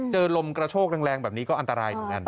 ลมกระโชกแรงแบบนี้ก็อันตรายเหมือนกัน